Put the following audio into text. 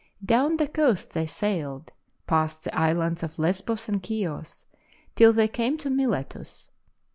Down the coast they sailed, past the islands of Lesbos and Chios, till thej?' came to Miletus.